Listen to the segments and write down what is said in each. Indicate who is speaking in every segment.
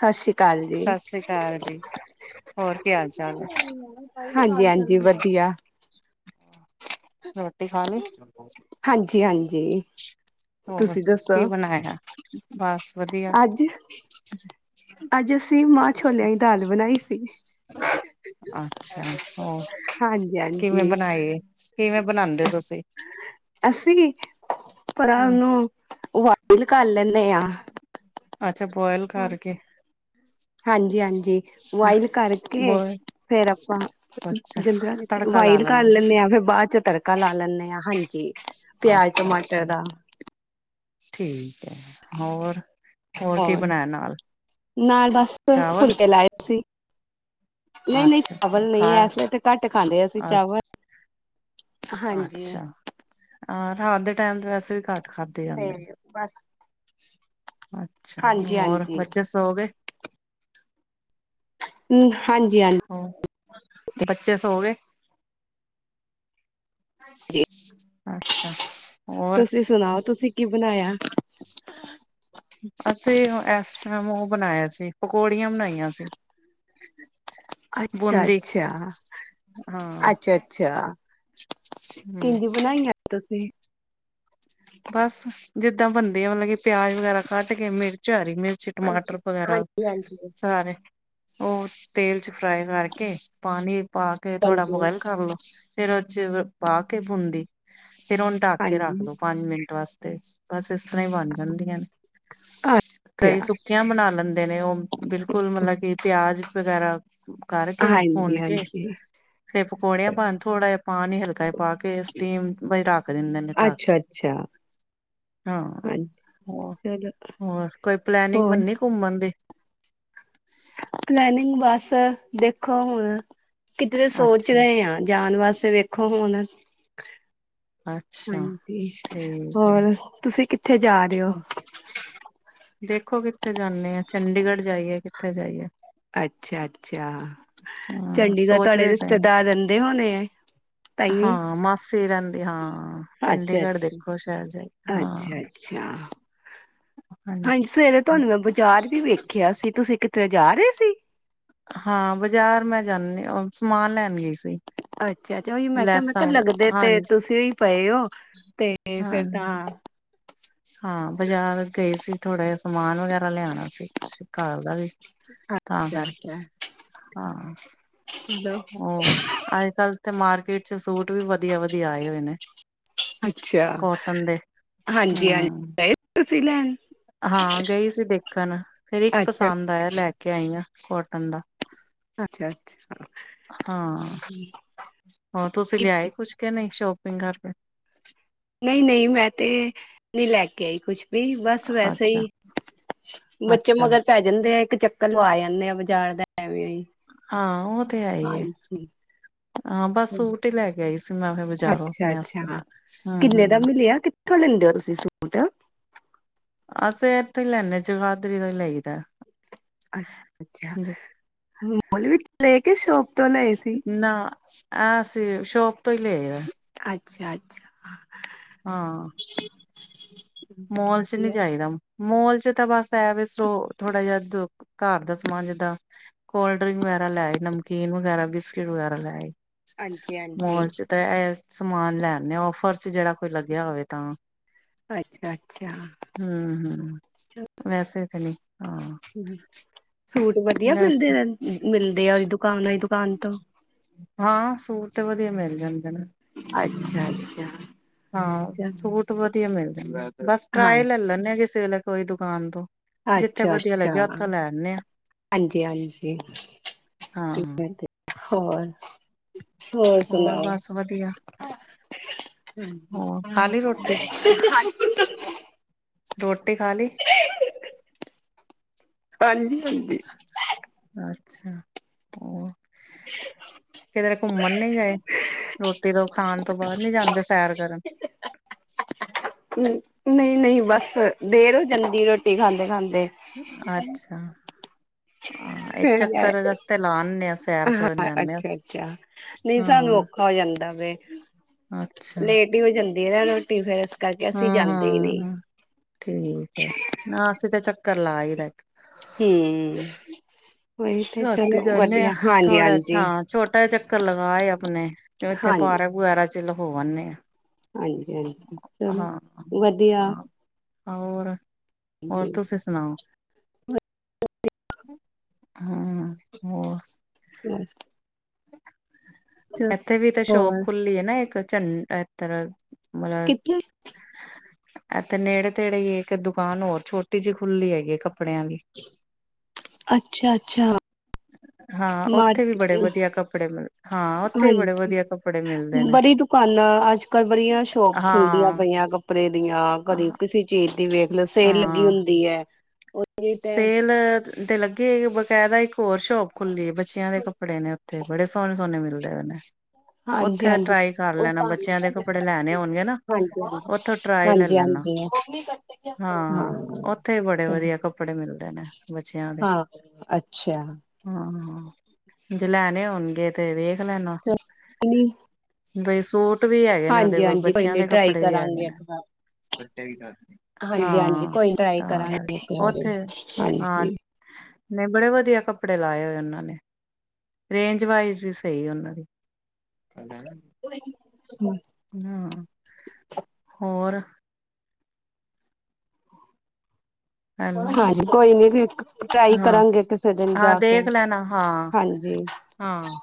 Speaker 1: ਸਤਿ ਸ਼੍ਰੀ ਅਕਾਲ ਜੀ।
Speaker 2: ਸਤਿ ਸ੍ਰੀ ਅਕਾਲ ਜੀ ਹੋਰ ਕੀ ਹਾਲ ਚਾਲ ਹੈ।
Speaker 1: ਹਾਂਜੀ ਹਾਂਜੀ ਵਧੀਆ
Speaker 2: ਰੋਟੀ ਖਾ ਲਈ
Speaker 1: ਹਾਂਜੀ-ਹਾਂਜੀ
Speaker 2: ਹੋਰ
Speaker 1: ਤੁਸੀਂ
Speaker 2: ਕੀ ਬਣਾਇਆ ਬਸ ਵਧੀਆ
Speaker 1: ਅੱਜ ਅੱਜ ਅਸੀਂ ਮਾਹ ਛੋਲਿਆਂ ਦੀ ਦਾਲ ਬਣਾਈ ਸੀ
Speaker 2: ਅੱਛਾ ਹੋਰ ਕਿਵੇਂ
Speaker 1: ਹਾਂਜੀ-ਹਾਂਜੀ
Speaker 2: ਬਣਾਈ ਹੈ ਕਿਵੇਂ ਬਣਾਉਂਦੇ ਹੋ ਤੁਸੀਂ
Speaker 1: ਅਸੀਂ ਕਿ ਭਰਾ
Speaker 2: ਹਮ
Speaker 1: ਨੂੰ [unintelligible] ਲ ਕੱਲਨ ਆਾ [unintelligible]
Speaker 2: ਅੱਛਾ ਬੋਇਲ ਕਰਕੇ
Speaker 1: ਹਾਂਜੀ ਹਾਂਜੀ ਬਾਇਲ ਕਰਕੇ
Speaker 2: ਬੋਇਲ
Speaker 1: ਫੇਰ ਆਪਾਂ
Speaker 2: ਅੱਛਾ
Speaker 1: ਜਿੱਦਾਂ
Speaker 2: ਤੜਕਾ ਲਾ
Speaker 1: ਵਾਈਲ ਕਰ ਲੈਂਦੇ ਹਾਂ ਫੇਰ ਬਾਅਦ ਚ ਤੜਕਾ ਲਾ ਲੈਂਦੇ ਹਾਂ ਹਾਂਜੀ ਪਿਆਜ
Speaker 2: ਅੱਛਾ
Speaker 1: ਟਮਾਟਰ
Speaker 2: ਅੱਛਾ
Speaker 1: ਦਾ
Speaker 2: ਠੀਕ ਹੈ ਹੋਰ ਹੋਰ ਕੀ ਬਣਾਇਆ ਨਾਲ
Speaker 1: ਨਾਲ ਬਸ
Speaker 2: ਚਾਵਲ
Speaker 1: ਫੁਲਕੇ ਲਾਏ ਸੀ ਨਹੀਂ ਨਹੀਂ
Speaker 2: ਅੱਛਾ
Speaker 1: ਚਾਵਲ ਨਹੀਂ
Speaker 2: ਖਾ
Speaker 1: ਇਸ ਵੇਲੇ ਤੇ ਘੱਟ ਖਾਂਦੇ ਅਸੀਂ ਚਾਵਲ
Speaker 2: ਅੱਛਾ
Speaker 1: ਹਾਂਜੀ।
Speaker 2: ਅੱਛਾ ਹਾਂ ਅਧੇ ਟਾਈਮ ਤੇ ਵੈਸ ਵੀ ਘੱਟ [unintelligible] ਖਾਧੇ
Speaker 1: ਤੇ
Speaker 2: ਜਾਂਦੇ
Speaker 1: ਬਸ
Speaker 2: ਅੱਛਾ
Speaker 1: ਹਾਂਜੀ
Speaker 2: ਹੋਰ
Speaker 1: ਹਾਂਜੀ
Speaker 2: ਬੱਚੇ ਸੌ ਗਏ
Speaker 1: ਹਮ ਹਾਂਜੀ ਹਾਂਜੀ
Speaker 2: ਹੋ ਬੱਚੇ ਸੋ ਗਏ ਅੱਛਾ ਹੋਰ
Speaker 1: ਤੁਸੀਂ ਸੁਣਾਓ ਤੁਸੀਂ ਕੀ ਬਣਾਇਆ
Speaker 2: ਅਸੀਂ ਇਸ ਟਾਈਮ ਉਹ ਬਣਾਇਆ ਸੀ ਪਕੌੜੀਆਂ ਬਣਾਈਆਂ ਸੀ
Speaker 1: ਅੱਛਾ
Speaker 2: ਬੂੰਦੀ
Speaker 1: ਅੱਛਾ
Speaker 2: ਹਾਂ
Speaker 1: ਅੱਛਾ ਅੱਛਾ
Speaker 2: ਹੂੰ
Speaker 1: ਕਿਹਿੰਦੀ ਬਣਾਈਆਂ ਤੁਸੀਂ [unintelligible]
Speaker 2: ਬਸ ਜਿੱਦਾਂ ਬੰਦੇ ਆ ਮਤਲਬ ਕਿ ਪਿਆਜ ਵਗੈਰਾ ਕੱਟ ਕੇ ਮਿਰਚ ਆ ਹਰੀ ਮਿਰਚ
Speaker 1: ਹਾਂਜੀ
Speaker 2: ਟਮਾਟਰ ਵਗੈਰਾ
Speaker 1: ਹਾਂਜੀ ਹਾਂਜੀ
Speaker 2: ਸਾਰੇ ਉਹ ਤੇਲ ਚ ਫਰਾਈ ਕਰਕੇ ਪਾਣੀ ਪਾ ਕੇ ਥੋੜਾ
Speaker 1: ਹਾਂਜੀ।
Speaker 2: ਬੋਇਲ ਕਰਲ ਲੋ ਫਿਰ ਪਾ ਕੇ ਬੁੰਦੀ ਫੇਰ ਉਹਨੂੰ ਢੱਕ ਕੇ ਰੱਖ
Speaker 1: ਹਾਂਜੀ
Speaker 2: ਮਿੰਟ ਵਾਸਤੇ ਬਸ [unintelligible] ਇਸ ਤਰ੍ਹਾਂ ਹੀ ਬਣ ਜਾਂਦੀਆਂ ਨੇ ਕਈ
Speaker 1: ਅੱਛਾ
Speaker 2: ਸੁੱਕੀਆਂ ਬਣਾ ਲੈਂਦੇ ਨੇ ਉਹ ਬਿਲਕੁਲ ਮਤਲਬ ਕਿ ਪਿਆਜ ਵਗੈਰਾ ਕਰਕੇ
Speaker 1: ਹਾਂਜੀ
Speaker 2: ਭੁੰਨ ਕੇ
Speaker 1: ਹਾਂਜੀ
Speaker 2: ਫੇਰ ਪਕੌੜਿਆਂ ਪਾ ਥੋੜ੍ਹਾ ਜਿਹਾ ਪਾਣੀ ਹਲਕਾ ਪਾ ਕੇ ਸਟੀਮ ਲਗਾ ਕੇ ਢੱਕ ਦਿੰਦੇ ਨੇ
Speaker 1: ਅੱਛਾ ਅੱਛਾ
Speaker 2: ਹਾਂ
Speaker 1: ਹਾਂਜੀ।
Speaker 2: ਹੋਰ
Speaker 1: ਚਲੋ
Speaker 2: ਹੋਰ ਕੋਈ ਪਲੈਨਿੰਗ
Speaker 1: ਹੋਰ
Speaker 2: ਬੰਨੀ ਘੁੰਮਣ [inaudible]
Speaker 1: ਪਲੈਨਿੰਗ ਵਾਸਤੇ ਦੇਖੋ ਹੁਣ ਕਿਧਰੇ ਸੋਚ
Speaker 2: ਅੱਛਾ
Speaker 1: ਰਹੇ ਆ ਜਾਣ ਵਾਸਤੇ ਫਿਰ ਵੇਖੋ ਹੁਣ
Speaker 2: ਅੱਛਾ
Speaker 1: ਹਾਂਜੀ
Speaker 2: ਠੀਕ ਹੈ।
Speaker 1: ਹੋਰ ਤੁਸੀਂ ਕਿੱਥੇ ਜਾ ਰਹੇ ਹੋ
Speaker 2: ਹੋਰ ਦੇਖੋ ਕਿੱਥੇ ਜਾਣਾ ਆ ਚੰਡੀਗੜ੍ਹ ਜਾਈਏ ਕਿੱਥੇ ਜਾਈਏ
Speaker 1: ਅੱਛਾ ਅੱਛਾ
Speaker 2: ਹਾਂ
Speaker 1: ਚੰਡੀਗੜ੍ਹ ਤੁਹਾਡੇ
Speaker 2: ਸੋਚਦੇ ਪਏ ਆ।
Speaker 1: ਰਿਸ਼ਤੇਦਾਰ ਰਹਿੰਦੇ ਹੋਣੇ ਆ ਤਾਹੀਓਂ
Speaker 2: ਹਾਂ ਮਾਸੀ ਰਹਿੰਦੀ ਹਾਂ ਚੰਡੀਗੜ੍ਹ ਦੇਖੋ ਸ਼ਹਿਰ ਜਾਈ ਹਾਂ
Speaker 1: ਅੱਛਾ ਅੱਛਾ ਹਾਂਜੀ ਸਵੇਰੇ ਤੁਹਾਨੂੰ ਮੈਂ ਬਾਜ਼ਾਰ ਵੀ ਵੇਖਿਆ ਸੀ ਤੁਸੀਂ ਕਿੱਧਰੇ ਜਾ ਰਹੇ ਸੀ
Speaker 2: ਹਾਂ ਬਾਜ਼ਾਰ ਮੈਂ ਜਾਣੀ ਸਮਾਨ ਲੈਣ ਗਈ ਸੀ
Speaker 1: ਅੱਛਾ ਅੱਛਾ ਉਹੀ ਮੈਂ ਕਿਹਾ ਮੈਂ
Speaker 2: ਲੈਸਾਂ
Speaker 1: ਕਿਹਾ ਲੱਗਦੇ
Speaker 2: ਵਗੈਰਾ
Speaker 1: ਤੇ
Speaker 2: ਹਾਂਜੀ
Speaker 1: ਤੁਸੀਂ ਉ ਪਏ ਉਹ ਤੇ ਫੇਰ
Speaker 2: ਹਾਂ
Speaker 1: ਤਾਂ
Speaker 2: ਹਾਂ ਬਾਜ਼ਾਰ ਗਏ ਸੀ ਥੋੜ੍ਹਾ ਜਾ ਸਮਾਨ ਵਗੈਰਾ ਲਿਆਣਾ ਸੀ ਕੁਛ ਘਰ ਦਾ ਵੀ ਤਾਂ
Speaker 1: ਅੱਛਾ
Speaker 2: ਕਰਕੇ
Speaker 1: ਅੱਛਾ
Speaker 2: ਹਾਂ
Speaker 1: ਚਲੋ
Speaker 2: ਹੋਰ ਅੱਜ ਕੱਲ ਤੇ ਮਾਰਕ ਟ ਚ ਸੂਟ ਵੀ ਵਧੀਆ ਵਧੀਆ ਆਏ ਹੋਏ ਨੇ ਕੋਟਨ ਦੇ
Speaker 1: ਜੀ ਹਾਂਜੀ
Speaker 2: ਹਮ
Speaker 1: ਤੁਸੀਂ ਲੈਣ
Speaker 2: ਹਾਂ ਗਈ ਸੀ ਦੇਖਣ ਫੇਰ ਇੱਕ
Speaker 1: ਅੱਛਾ
Speaker 2: ਪਸੰਦ ਆਇਆ ਲੈ ਕੇ ਆਈ ਹਾਂ ਕੋਟਨ ਦਾ
Speaker 1: ਅੱਛਾ ਅੱਛਾ
Speaker 2: ਹਾਂ ਹੋਰ ਤੁਸੀਂ ਲਿਆਏ ਕੁਛ ਕੇ ਨਹੀਂ ਸ਼ੋਪ ਵਿਗਾਰ ਪਾਈ
Speaker 1: ਨਹੀਂ ਨਹੀਂ ਮੈਂ ਤੇ ਨਹੀਂ ਲੈ ਕੇ ਆਈ ਕੁੱਛ ਵੀ ਬਸ ਵੈਸੇ
Speaker 2: ਅੱਛਾ
Speaker 1: ਹੀ ਬੱਚੇ
Speaker 2: ਅੱਛਾ
Speaker 1: ਮਗਰ ਪੈ ਜਾਂਦੇ ਆ! ਇੱਕ ਚੱਕਰ ਲਵਾ ਜਾਂਦੇ ਆ ਬਾਜ਼ਾਰ ਦਾ ਐਵੇਂ ਹੀ
Speaker 2: ਹਾਂ ਉਹ ਤੇ ਆਈ ਹੈ
Speaker 1: ਹਾਂਜੀ
Speaker 2: ਹਾਂ ਬਸ ਸੂਟ ਹੀ ਲੈ ਕੇ ਆਈ ਸੀ ਮੈਂ ਫਿਰ ਬਜ਼ਾਰੋਂ
Speaker 1: ਅੱਛਾ
Speaker 2: ਆਪਣੇ ਵਾਸਤੇ
Speaker 1: ਅੱਛਾ
Speaker 2: ਹਮ
Speaker 1: ਕਿੰਨੇ ਦਾ
Speaker 2: ਹਮ
Speaker 1: ਮਿਲਿਆ ਕਿੱਥੋਂ ਲੈਂਦੇ ਹੋ ਤੁਸੀਂ ਸੂਟ
Speaker 2: ਅਸੀਂ ਇਥੇ ਹੀ ਲੈਣੇ ਆ ਜੁਗਾਦਰੀ ਤੋਂ ਲਈਦਾ
Speaker 1: ਅੱਛਾ ਅੱਛਾ ਮੋਲ ਵਿਚੋਂ ਲਿਆ ਕੇ ਸ਼ੋਪ ਤੋਂ ਲਏ ਸੀ
Speaker 2: ਨਾ ਅਸੀਂ ਸ਼ੋਪ ਤੋ ਲਏ ਆ
Speaker 1: ਅੱਛਾ ਅੱਛਾ
Speaker 2: ਹਾਂ ਮੋਲ ਚ, ਨਹੀਂ
Speaker 1: ਵਧੀਆ
Speaker 2: ਜਾਈ ਦਾ ਮੋਲ ਚ ਤਾਂ ਬਸ [inaudible] ਥੋੜਾ ਜਾ ਘਰ ਦਾ ਸਮਾਨ ਜਿੱਦਾਂ ਕੋਲਡ ਡਰਿੰਕ ਵਗੈਰਾ ਲੈ ਆਏ ਨਮਕੀਨ ਵਗੈਰਾ ਬਿਸਕਿਟ ਵਗੈਰਾ ਲੈ ਆਏ
Speaker 1: ਹਾਂਜੀ ਹਾਂਜੀ
Speaker 2: ਮੋਲ ਚ, ਤਾਂ ਐ! ਸਮਾਨ ਲੈਦੇ ਆ ਔਫਰ ਚ, ਜਿਹੜਾ ਕੋਈ ਲੱਗਿਆ ਹੋਵੇ ਤਾਂ
Speaker 1: ਅੱਛਾ ਅੱਛਾ
Speaker 2: ਹੂੰ ਹੂੰ ਵੈਸੇ ਹਾਂ
Speaker 1: ਹੂੰ ਸੂਟ ਵਧੀਆ ਮਿਲਦੇ
Speaker 2: ਵੈਸੇ
Speaker 1: ਮਿਲਦੇ ਉਹਦੀ ਦੁਕਾਨਾਂ ਦੀ ਦੁਕਾਨ ਤੋਂ
Speaker 2: ਹਾਂ ਸੂਟ ਤੇ ਵਧੀਆ ਮਿਲ ਜਾਂਦੇ ਨੇ
Speaker 1: ਅੱਛਾ! ਅੱਛਾ ਅੱਛਾ!
Speaker 2: ਹਾਂ ਛੋਟ ਵਧਿਆ ਮਿਲ ਜਾਂਦੇ ਬਸ
Speaker 1: ਹਾਂ
Speaker 2: ਟਰਾਈ ਲੈ ਲੈਣੇ ਆ ਜ਼ੇ ਕਿਸੇ ਵੇਲੇ ਕੋਈ ਦੁਕਾਨ ਤੋਂ ਜਿੱਥੇ
Speaker 1: ਅੱਛਾ
Speaker 2: ਵਧੀਆ
Speaker 1: ਅੱਛਾ
Speaker 2: ਲੱਗਿਆ ਉੱਥੋਂ ਲੈ ਆਨੇ ਆ
Speaker 1: ਹਾਂਜੀ ਹਾਂਜੀ
Speaker 2: ਹਾਂ
Speaker 1: ਹੋਰ। ਹ
Speaker 2: ਹੋਰ ਬਸ ਵਧੀਆ। ਹੋਰ ਖਾ ਲਈ ਰੋਟੀ
Speaker 1: ਹੂੰ
Speaker 2: ਰੋਟੀ ਖਾ ਲਈ?
Speaker 1: ਹਾਂਜੀ। ਹਾਂਜੀ
Speaker 2: ਹਾਂ ਅੱਛਾ ਹੋਰ? ਕਿਧਰੇ ਘੁੰਮਣ ਨੀ ਗਏ ਰੋਟੀ ਤੋਂ। ਖਾਣ ਤੋਂ ਬਾਅਦ ਨੀ ਜਾਂਦੇ ਸੈਰ ਕਰਨ?
Speaker 1: ਨਹੀਂ ਨਹੀਂ ਬਸ ਦੇਰ ਹੋ ਜਾਂਦੀ ਰੋਟੀ ਖਾਂਦੇ ਖਾਂਦੇ।
Speaker 2: ਅੱਛਾ! ਹਾਂ
Speaker 1: [inaudible]
Speaker 2: ਇੱਕ ਚੱਕਰ ਵਾਸਤੇ ਲਾ ਆਨੇ ਆ ਸੈਰ ਕਰਨ
Speaker 1: ਹਾਂ
Speaker 2: ਜਾਂਦੇ ਆ
Speaker 1: ਅੱਛਾ ਅੱਛਾ ਨਹੀਂ ਸਾਨੂੰ
Speaker 2: ਹਾਂ
Speaker 1: ਔਖਾ ਹੋ ਜਾਂਦਾ ਵੈ
Speaker 2: ਅੱਛਾ
Speaker 1: ਲੇਟ ਹੀ ਹੋ ਜਾਂਦੀ ਏ ਨਾ ਰੋ। ਟੀ ਫਿਰ
Speaker 2: ਹਾਂ ਹਾਂ ਹੂੰ ਠੀਕ ਹੈ ਨਾ ਅਸੀਂ ਤੇ ਚੱਕ ਰ ਲਾ ਆਈ ਦਾ ਇੱਕ।
Speaker 1: ਹੂੰ ਉਹੀ ਤੇ
Speaker 2: ਰਾਤੀ
Speaker 1: ਚਲੋ ਵਧੀਆ ਹਾਂਜੀ ਹਾਂਜੀ।
Speaker 2: ਟਾ ਚੱਕਰ ਲਗਾਏ ਆਪਣੇ ਤੇ ਉੱਥੇ
Speaker 1: ਹਾਂਜੀ
Speaker 2: ਪਾਰ ਪੁਆਰਾ ਚੱਲੋ। ਹੋ ਆਨੇ ਆ
Speaker 1: ਹਾਂਜੀ ਹਾਂਜੀ ਚਲੋ
Speaker 2: ਹਾਂ
Speaker 1: ਵਧੀਆ।
Speaker 2: ਹਾਂ ਹੋਰ ਹੋਰ ਤੁਸੀਂ ਸੁਣਾਓ? ਹਾਂ ਹੋਰ?
Speaker 1: ਬਸ
Speaker 2: ਇੱਥੇ ਵੀ ਤਾਂ ਸ਼ੋਪ ਖੁੱਲੀ ਹੈ ਨਾ ਇੱਕ। ਚੰ ਇਧਰ ਮੈਨੂੰ ਲੱਗਦਾ
Speaker 1: ਕਿੱਥੇ
Speaker 2: ਇਥੇ ਨੇੜੇ ਤੇੜੇ ਹੀ ਇੱਕ ਦੁਕਾਨ ਹੋਰ ਛੋਟੀ ਜਿਹੀ ਖੁੱਲੀ ਹੈਗੀ ਏ ਕੱਪ
Speaker 1: ਅੱਛਾ ਅੱਛਾ!
Speaker 2: ਹਾਂ ਉੱਥੇ ਵੀ ਬੜੇ ਵਧੀਆ ਕੱਪੜੇ ਮਿਲ ਹਾਂ ਉੱਥੇ ਵੀ ਬੜੇ
Speaker 1: ਹਾਂਜੀ
Speaker 2: ਵਧੀਆ ਕੱਪੜੇ ਮਿਲਦੇ ਨੇ
Speaker 1: ਬੜੀ ਦੁਕਾਨਾਂ ਅੱਜ ਕੱਲ੍ਹ ਬੜੀਆਂ ਸ਼ੋਪ ਖੁੱਲਦੀਆਂ
Speaker 2: ਹਾਂ
Speaker 1: ਪਈਆਂ ਕੱਪੜੇ ਦੀਆਂ ਕਦੇ ਕਿਸੇ ਚੀਜ਼। ਦੀ ਵੇਖ ਲਓ ਸੇਲ ਲੱਗੀ
Speaker 2: ਹਾਂ
Speaker 1: ਹੁੰਦੀ ਏ।
Speaker 2: ਸੇਲ ਤੇ ਲੱਗੀ ਹੋਏਗੀ ਬਕਾਇਦਾ ਇੱਕ ਹੋਰ ਸ਼ੋਪ ਖੁੱਲ ਦੀਆ ਬੱਚਿਆਂ ਦੇ ਕੱਪੜੇ ਨੇ ਉੱਥੇ ਬੜੇ ਸੋਹਣੇ ਸੋਹਣੇ ਮਿਲ ਦੇ [inaudible] ਉੱਥੇ
Speaker 1: ਹਾਂਜੀ-ਹਾਂਜੀ
Speaker 2: ਟਰਾਈ ਕਰ
Speaker 1: ਉਹ
Speaker 2: ਲੈਣਾ ਬੱਚਿਆਂ ਦੇ
Speaker 1: ਭਾਵੇਂ
Speaker 2: ਕੱਪੜੇ ਲੈਣੇ
Speaker 1: ਹਾਂਜੀ
Speaker 2: ਹੋਣਗੇ ਨਾ ਉੱਥੋਂ ਟਰਾਈ ਲੈ
Speaker 1: ਹਾਂਜੀ
Speaker 2: ਲੈਣਾ
Speaker 1: ਹਾਂਜੀ
Speaker 2: ਹਾਂ ਉੱਥੇ ਬੜੇ
Speaker 1: ਚਲੋ
Speaker 2: ਵਧੀਆ ਕੱਪ ਮਿਲਦੇ ਨੇ ਬੱਚਿਆਂ ਵਾਲੇ
Speaker 1: ਹਾਂ ਅੱਛਾ
Speaker 2: ਹਾਂ ਹਾਂ ਜੇ ਲੈਣੇ ਹੋਣਗੇ ਤੇ ਵੇਖ ਲੈਣਾ
Speaker 1: [inaudible]
Speaker 2: ਬਈ ਸੂਟ ਵੀ ਹੈਗੇ ਨੇ ਉਹਦੇ ਕੋਲ
Speaker 1: ਹਾਂਜੀ ਕੋਈ
Speaker 2: ਬੱਚਿਆਂ
Speaker 1: ਨੀ
Speaker 2: ਦੇ
Speaker 1: ਟਰਾਈ
Speaker 2: ਕੱਪੜੇ ਵੀ ਹੈਗੇ
Speaker 1: ਕਰਾਂਗੇ ਇੱਕ ਵਾਰ
Speaker 2: ਨੇ
Speaker 1: ਹਾਂਜੀ ਹਾਂਜੀ
Speaker 2: ਹਾਂ
Speaker 1: ਕੋਈ ਟਰਾਈ
Speaker 2: ਤਾਂ
Speaker 1: ਕਰਾਂਗੇ
Speaker 2: ਕਰਕੇ
Speaker 1: ਇੱਕ
Speaker 2: ਉੱਥੇ ਹਾਂ
Speaker 1: ਹਾਂਜੀ
Speaker 2: ਨਹੀਂ ਬੜੇ ਵਧੀਆ ਕੱਪੜੇ ਲਾਏ ਹੋਏ ਉਹਨਾਂ ਨੇ ਰੇਂਜ ਵਾਈਜ਼ ਵੀ ਸਹੀ ਹੈ ਉਹਨਾਂ ਦੀ ਕਿੰਨਾ ਹਾਂ ਹੋਰ ਹੈਲੋ
Speaker 1: ਹਾਂਜੀ ਕੋਈ ਨੀ ਟਰਾਈ
Speaker 2: ਹਾਂ
Speaker 1: ਕਰਾਂਗੇ ਕਿਸੇ ਦਿਨ
Speaker 2: ਹਾਂ
Speaker 1: ਜਾ ਕੇ
Speaker 2: ਦੇਖ ਲੈਣਾ ਹਾਂ
Speaker 1: ਹਾਂਜੀ
Speaker 2: ਹਾਂ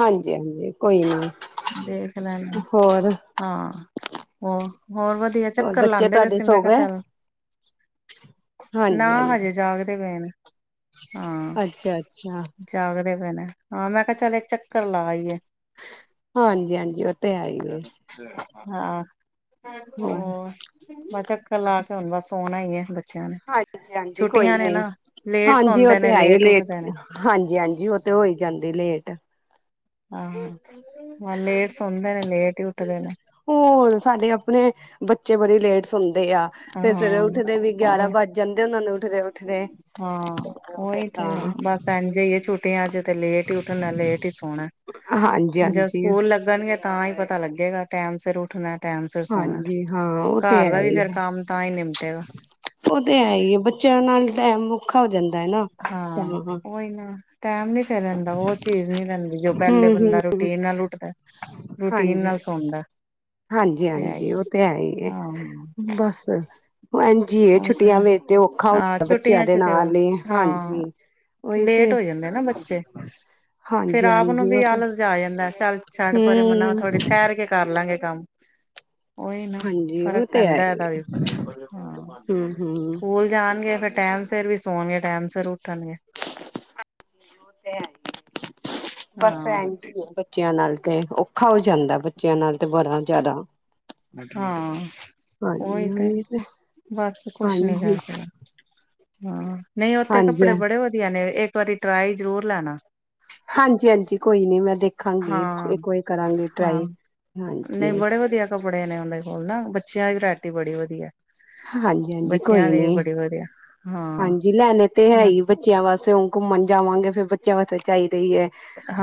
Speaker 1: ਹਾਂਜੀ ਹਾਂਜੀ ਕੋਈ ਨਹੀਂ
Speaker 2: ਦੇਖ ਲੈਣਾ ਹਾਂ ਹੋਰ ਹੋਰ ਵਧੀਆ
Speaker 1: ਹੋਰ
Speaker 2: ਚੱਕਰ
Speaker 1: ਬੱਚੇ
Speaker 2: ਲਾਂਦੇ
Speaker 1: ਤੁਹਾਡੇ
Speaker 2: ਵਸੇ ਮੈਂ
Speaker 1: ਸੋ
Speaker 2: ਕਿਹਾ
Speaker 1: ਗਏ
Speaker 2: ਚੱਲ ਨਾ
Speaker 1: ਹਾਂਜੀ ਹਾਂਜੀ
Speaker 2: ਹਜੇ ਜਾਗਦੇ ਪਏ ਨੇ ਹਾਂ
Speaker 1: ਅੱਛਾ ਅੱਛਾ
Speaker 2: ਜਾਗਦੇ ਪਏ ਨੇ ਹਾਂ ਮੈਂ ਕਿਹਾ ਚੱਲ ਇੱਕ ਚੱਕਰ ਲਾ ਆਈਏ
Speaker 1: ਹਾਂਜੀ ਹਾਂਜੀ ਉਹ ਤੇ ਹੈ
Speaker 2: [inaudible]
Speaker 1: ਹੀ ਹੈ
Speaker 2: ਹਾਂ ਹੋਰ ਬਸ ਚੱਕਰ ਲਾ ਕੇ ਤੇ ਹੁਣ ਬਸ ਸੋਣਾ ਹੀ ਏ
Speaker 1: ਹਾਂਜੀ ਹਾਂਜੀ ਕੋਈ ਨੀ
Speaker 2: ਲੇਟ
Speaker 1: ਹਾਂਜੀ ਉਹ
Speaker 2: ਸੌਦੇ
Speaker 1: ਤੇ
Speaker 2: ਨੇ
Speaker 1: ਹੈਈ ਲੇਟ
Speaker 2: ਉੱਠਦੇ ਨੇ
Speaker 1: ਹਾਂਜੀ ਹਾਂਜੀ ਉਹ ਤੇ ਹੋਈ ਜਾਂਦੀ ਲੇਟ
Speaker 2: ਆਹ ਲੇਟ ਸੌਣਦੇ ਨੇ ਲੇਟ ਹੀ ਉੱਠਦੇ ਨੇ
Speaker 1: ਹੋਰ ਸਾਡੇ ਆਪਣੇ ਬੱਚੇ ਬੜੀ ਲੇਟ ਸੌਣਦੇ ਤੈ ਆ ਤੇ ਸਵੇਰੇ ਉੱਠਦੇ ਵੀ ਗਿਆਰਾਂ
Speaker 2: ਹਾਂ
Speaker 1: ਵੱਜ ਜਾਂਦੇ ਉਹਨਾਂ ਨੂੰ ਉਠਦੇ ਉੱਠਦੇ ਹਾਂ ਫਿਰ
Speaker 2: ਉਹੀ ਤੇ
Speaker 1: ਤਾਂ
Speaker 2: ਬਸ ਇੰਝ ਹੀ ਹੈ, ਛੁੱਟੀਆਂ ਚ ਤੇ ਲੇਟ ਹੀ ਉੱਠਣਾ ਲੇਟ ਹੀ ਸੋਣਾ
Speaker 1: ਹਾਂਜੀ
Speaker 2: ਜਦ
Speaker 1: ਹਾਂਜੀ
Speaker 2: ਸਕੂਲ ਲੱਗਣਗੇ ਤਾਂ ਹੀ ਪਤਾ ਲੱਗੇਗਾ ਟੈਮ ਸਿਰ ਉੱਠਣਾ ਟਾਈਮ ਸਿਰ ਸੋਣਾ
Speaker 1: ਹਾਂਜੀ ਹਾਂ ਉਹ ਤੇ
Speaker 2: ਘਰ
Speaker 1: ਹੈ
Speaker 2: ਦਾ ਵੀ
Speaker 1: ਈ
Speaker 2: ਫੇਰ
Speaker 1: ਐ।
Speaker 2: ਕੰਮ ਤਾਂ ਈ ਨਿਪਟੇਗਾ।
Speaker 1: ਟੈਮ
Speaker 2: ਹਾਂ ਓਈ ਨਾ ਟੈਮ ਨੀ ਫੇਰ ਰਹਿੰਦਾ। ਉਹ ਚੀਜ਼ ਨੀ ਰਹਿੰਦੀ ਜੋ ਪਹਿਲੇ
Speaker 1: ਹਮ ਹਮ
Speaker 2: ਬੰਦਾ ਰੂਟੀਨ ਨਾਲ ਉੱਠਦਾ, ਰੂਟੀਨ
Speaker 1: ਹਾਂਜੀ
Speaker 2: ਨਾਲ ਸੌਂਦਾ।
Speaker 1: ਹਾਂਜੀ ਹਾਂਜੀ ਉਹ ਤੇ ਹੈ ਈ ਐ।
Speaker 2: ਹਾਂ
Speaker 1: ਬਸ ਐ ਜੀ ਇਹ
Speaker 2: ਉਹ ਤਾਂ
Speaker 1: ਛੁੱਟੀਆਂ
Speaker 2: ਹੈ,
Speaker 1: ਵਿੱਚ ਤੇ ਔਖਾ
Speaker 2: ਹਾਂ
Speaker 1: ਹੁੰਦਾ ਬੱਚਿਆਂ
Speaker 2: ਛੁੱਟੀਆਂ
Speaker 1: ਦੇ
Speaker 2: ਚ ਤੇ
Speaker 1: ਨਾਲ ਈ।
Speaker 2: ਹਾਂ
Speaker 1: ਹਾਂਜੀ ਓਹੀ
Speaker 2: ਲੇਟ
Speaker 1: ਤੇ
Speaker 2: ਹੋ ਜਾਂਦੇ ਨਾ ਬੱਚੇ
Speaker 1: ਹਾਂਜੀ ਹਾਂਜੀ ਉਹ ਤੇ-
Speaker 2: ਲੈ ਚੱਲ ਛੱਡ ਭਰੇ ਮਨਾ
Speaker 1: ਹੂੰ
Speaker 2: ਥੋੜੀ ਠਹਿਰ ਕੇ ਕਰ ਲਾਂਗੇ ਕੰਮ। ਓਹੀ ਨਾ
Speaker 1: ਹਾਂਜੀ
Speaker 2: ਫ਼ਰਕ
Speaker 1: ਉਹ ਤੇ ਹੈ
Speaker 2: ਪੈਂਦਾ
Speaker 1: ਹੀ
Speaker 2: ਇਦਾ ਵੀ ਬੜਾ।
Speaker 1: ਹੂੰ ਹੂੰ
Speaker 2: ਣਗੇ ਫੇਰ ਟੈਮ ਸਿਰ ਵੀ ਸੋਣਗੇ। ਟੈਮ ਸਿਰ ਉੱਠਣਗੇ।
Speaker 1: ਤੇ ਹੈ ਹੀ ਬਸ ਐਂਜ
Speaker 2: ਹਾਂ
Speaker 1: ਈ ਐ ਬੱਚਿਆਂ ਨਾਲ। ਤੇ ਔਖਾ ਹੋ ਜਾਂਦਾ ਬੱਚਿਆਂ ਨਾਲ ਤੇ ਬੜਾ ਜਿਆਦਾ
Speaker 2: ਹਾਂ ਉਹੀ ਤੇ ਬਸ ਕੁਛ ਨੀ ਕਰ
Speaker 1: ਹਾਂਜੀ
Speaker 2: ਸਕੇ। ਹਾਂ ਨਹੀਂ ਉੱਥੇ
Speaker 1: ਹਾਂਜੀ
Speaker 2: ਕੱਪੜੇ ਬੜੇ ਵਧੀਆ ਨੇ ਇ ਇੱਕ ਵਾਰੀ ਟਰਾਈ ਜ਼ਰੂਰ ਲੈਣਾ।
Speaker 1: ਹਾਂਜੀ ਹਾਂਜੀ ਕੋਈ ਨੀ ਮੈਂ ਦੇਖ ਗੀ
Speaker 2: ਹਾਂ
Speaker 1: ਇੱਕ ਵਾਰੀ ਕਰਾਂਗੀ
Speaker 2: ਹਾਂ
Speaker 1: ਟਰਾਈ।
Speaker 2: ਨਹੀਂ
Speaker 1: ਹਾਂਜੀ
Speaker 2: ਬੜੇ ਵਧੀਆ ਕੱਪੜੇ ਨੇ ਉਦੇ ਕੋਲ ਨਾ। ਬੱਚਿਆਂ ਦੀ ਵਰੈਟੀ ਬੜੀ ਵਧੀਆ।
Speaker 1: ਹਾਂਜੀ ਹਾਂਜੀ
Speaker 2: ਬੱਚਿਆਂ
Speaker 1: ਕੋਈ ਨੀ
Speaker 2: ਲਈ ਬੜੀ ਵਧੀਆ ਹਾਂ
Speaker 1: ਹਾਂਜੀ ਲੈਣੇ ਤੇ ਹੈ ਈ ਬੱਚਿਆਂ ਵਾਸਤੇ ਹੁਣ ਘੁੰਮਣ ਜਾਵਾਂਗੇ ਫੇਰ ਜਾਓ ਤਾਂ ਚਾਹੀ- ਦਾ ਐ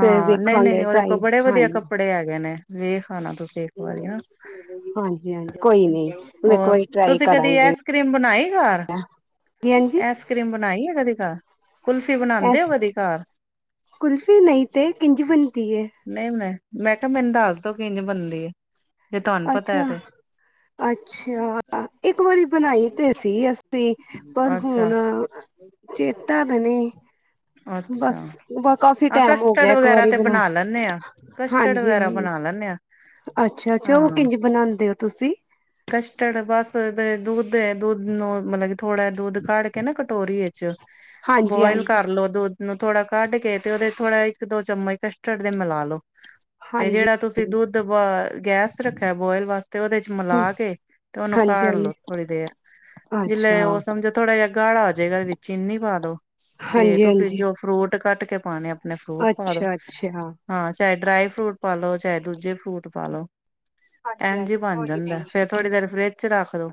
Speaker 1: ਫੇਰ
Speaker 2: ਨਹੀਂ
Speaker 1: ਵੇਖਾਂਗੇ
Speaker 2: ਨਹੀਂ ਉਹਦੇ
Speaker 1: ਟਰਾਈ
Speaker 2: ਕੋਲ ਬੜੇ ਵਧੀਆ
Speaker 1: ਹਾਂਜੀ-
Speaker 2: ਕੱਪੜੇ ਹੈਗੇ ਨੇ ਵੇਖ ਆਣਾ ਤੁਸੀਂ ਇੱਕ ਵਾਰੀ ਹਣਾ
Speaker 1: ਹਾਂਜੀ ਹਾਂਜੀ ਕੋਈ ਨੀ। ਮੈਂ ਇੱਕ
Speaker 2: ਹੋਰ
Speaker 1: ਵਾਰੀ ਟਰਾਈ
Speaker 2: ਤੁਸੀਂ ਕਦੀ
Speaker 1: ਕਰਾਂਗੀ।
Speaker 2: ਆਈਸ ਕਰ੍ਰੀਮ ਬਣਾਈ ਘਰ
Speaker 1: ਹਾਂਜੀ ਹਾਂਜੀ
Speaker 2: ਆਈਸ ਕਰ੍ਰੀਮ [inaudible] ਕੁਲਫ਼ੀ ਬਣਾ
Speaker 1: ਐਸ
Speaker 2: ਦਿਓ ਕਦੀ ਘਾਰ।
Speaker 1: ਕੁਲਫੀ ਨਹੀਂ ਤੇ ਕਿੰਝ ਬਣਦੀ ਹੈ
Speaker 2: ਲੈ ਮੈਂ ਕਿਹਾ ਮੈਨੂੰ ਦੱਸ ਦੋ ਕਿੰਜ ਬਣਦੀ ਆ
Speaker 1: ਅੱਛਾ ਅੱਛਾ ਇੱਕ ਵਾਰੀ ਬਣਾਈ ਤੇ ਸੀ ਅਸੀਂ ਪਰ ਹੁਣ
Speaker 2: ਅੱਛਾ
Speaker 1: ਚੇਤਾ ਤਾਂ ਨਹੀਂ ਬਸ
Speaker 2: ਅੱਛਾ
Speaker 1: ਕਾਫੀ
Speaker 2: ਆਹ
Speaker 1: ਟਾਈਮ ਹੋ
Speaker 2: ਕਸਟਰਡ
Speaker 1: ਗਿਆ ਇੱਕ
Speaker 2: ਵਗੈਰਾ
Speaker 1: ਵਾਰੀ
Speaker 2: ਤੇ
Speaker 1: ਬਣਾ
Speaker 2: ਲੈਂਦੇ ਆ ਕਸਟਰਡ
Speaker 1: ਹਾਂਜੀ
Speaker 2: ਵਗੈਰਾ
Speaker 1: ਹਾਂਜੀ
Speaker 2: ਬਣਾ ਲੈਂਦੇ ਆ
Speaker 1: ਅੱਛਾ ਅੱਛਾ ਉਹ ਕਿੰਝ ਬਣਾਂਦੇ ਹੋ ਤੁਸੀਂ
Speaker 2: ਕਸ਼ਟਡ ਬਸ ਦੁੱਧ ਦੁੱਧ ਨੂੰ ਮਤਲਬ ਕੀ ਥੋੜਾ ਦੁੱਧ ਕਾਢ ਕੇ ਨਾ ਕਟੋਰੀ ਵਿਚ
Speaker 1: ਹਾਂਜੀ
Speaker 2: ਬੋਇਲ
Speaker 1: ਹਾਂਜੀ
Speaker 2: ਕਰ ਲੋ ਦੁੱਧ ਨੂੰ ਥੋੜਾ ਕੱਢ ਕੇ ਤੇ ਉਹਦੇ ਥੋੜਾ ਇੱਕ ਦੋ ਚਮਚ ਕਸਟਰਡ ਦੇ ਮਿਲਾ ਲੋ ਤੇ
Speaker 1: ਹਾਂਜੀ
Speaker 2: ਜਿਹੜਾ ਤੁਸੀਂ ਦੁੱਧ ਬ ਗੈਸ ਰੱਖਿਆ ਬੋਇਲ ਵਾਸਤੇ ਉਹਦੇ ਚ ਮਿਲਾ
Speaker 1: ਹਮ,
Speaker 2: ਤੇ ਉਹਨੂੰ
Speaker 1: ਹਾਂਜੀ
Speaker 2: ਕਾੜ ਲੋ
Speaker 1: ਹਾਂਜੀ
Speaker 2: ਥੋੜੀ ਦੇਰ
Speaker 1: ਅੱਛਾ
Speaker 2: ਜਿੰਨੇ ਉਹ ਸਮਝੋ ਥੋੜ੍ਹਾ ਜਿਹਾ ਗਾੜਾ ਹੋ ਜਾਏਗਾ ਵਿੱਚ ਚੀਨੀ ਪਾ ਦੋ ਤੇ
Speaker 1: ਹਾਂਜੀ
Speaker 2: ਤੁਸੀਂ
Speaker 1: ਹਾਂਜੀ
Speaker 2: ਜੋ ਫਰੂਟ ਕੱਟ ਕੱਟ ਕੇ ਪਾਣੇ ਆ ਫਰੂਟ ਪਾ ਦੋ
Speaker 1: ਅੱਛਾ ਅੱਛਾ
Speaker 2: ਹਾਂ ਚਾਹੇ ਡਰਾਈ ਫਰੂਟ ਪਾ ਲੋ ਚਾਹੇ ਦੂਜੇ ਫਰੂਟ ਪਾ ਲੋ
Speaker 1: ਹਾਂਜੀ ਹਾਂਜੀ ਕੋਈ ਨਹੀਂ
Speaker 2: ਥੋੜੀ ਦੇਰ ਫਰਿਜ ਚ ਰੱਖ ਦੋ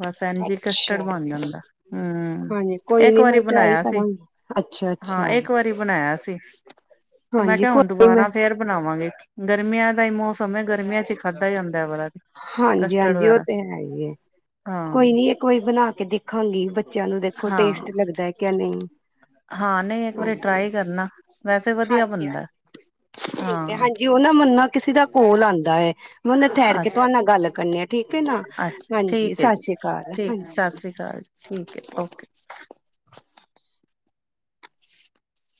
Speaker 2: ਬਸ ਇੰਜ ਹੀ
Speaker 1: ਅੱਛਾ
Speaker 2: ਕਸਟਰਡ ਬਣ ਜਾਂਦਾ ਹੂ
Speaker 1: ਹਾਂਜੀ ਕੋਈ
Speaker 2: ਇੱਕ
Speaker 1: ਨੀ ਮੈਂ
Speaker 2: ਵਾਰੀ
Speaker 1: ਟਰਾਈ
Speaker 2: ਬਣਾਇਆ ਸੀ
Speaker 1: ਕਰਾਂਗੀ ਅੱਛਾ
Speaker 2: ਹਾਂ
Speaker 1: ਅੱਛਾ
Speaker 2: ਇੱਕ ਵਾਰੀ ਬਣਾਇਆ ਹੈ ਸੀ ਤੇ ਮੈਂ
Speaker 1: ਹਾਂਜੀ
Speaker 2: ਕਿਹਾ ਹੁਣ
Speaker 1: ਕੋਈ ਨੀ, ਮੈਂ
Speaker 2: ਦੁਬਾਰਾ ਫੇਰ ਬਣਾਵਾਂਗੇ ਗਰਮੀਆਂ ਦਾ ਹੀ ਮੌਸਮ ਹੈ ਗਰਮੀਆਂ ਚ ਹੀ ਖਾਧਾ ਜਾਂਦਾ ਵਾਲਾ
Speaker 1: ਹਾਂਜੀ ਹਾਂਜੀ ਉਹ ਤੇ ਹੈ ਹੀ ਹੈ ਕੋਈ
Speaker 2: ਹਾਂ
Speaker 1: ਨੀ ਇੱਕ ਵਾਰੀ ਬਣਾ ਕੇ ਦੇਖਾਂਗੀ ਬੱ ਬੱਚਿਆਂ ਨੂੰ ਦੇਖੋ
Speaker 2: ਹਾਂ
Speaker 1: ਟੇਸਟ ਲੱਗਦਾ ਕੇ ਨਹੀਂ
Speaker 2: ਹਾਂ ਨਹੀਂ ਇੱਕ ਵਾਰੀ
Speaker 1: ਹਾਂਜੀ
Speaker 2: ਟਰਾਈ ਕਰਨਾ ਵੈਸੇ ਵਧੀਆ
Speaker 1: ਹਾਂਜੀ
Speaker 2: ਬਣਦਾ
Speaker 1: ਹਾਂਜੀ ਠੀਕ ਆ
Speaker 2: ਹਾਂ
Speaker 1: ਹਾਂਜੀ ਉਹ ਨਾ ਮੈਨੂੰ ਨਾ ਕਿਸੇ ਦਾ ਕੋਲ ਆਂਦਾ ਹੈ ਹੂੰ ਉਹ ਠਹਿਰ ਕੇ
Speaker 2: ਅੱਛਾ
Speaker 1: ਤੁਹਾਨੂੰ ਨਾਲ ਗੱਲ ਕਰਨੀੇ ਆ ਠੀਕ ਹੈ ਨਾ
Speaker 2: ਅੱਛਾ
Speaker 1: ਹਾਂਜੀ
Speaker 2: ਠੀਕ ਐ
Speaker 1: ਸਤਿ
Speaker 2: ਜੀ
Speaker 1: ਸ਼੍ਰੀ ਅਕਾਲ
Speaker 2: ਠੀਕ ਸਤਿ ਸ੍ਰੀ ਅਕਾਲ ਜੀ ਠੀਕ ਐ
Speaker 1: ਹਾਂਜੀ
Speaker 2: [unintelligible]